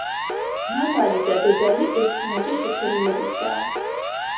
მამალი და დედალი ერთნაირი შეფერილობისაა.